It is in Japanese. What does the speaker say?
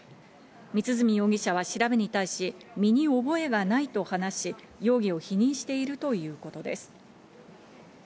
光墨容疑者は調べに対し、身に覚えがないと話し、容疑を否認しているということです。